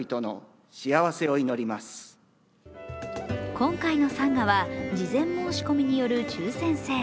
今回の参賀は事前申し込みによる抽選制。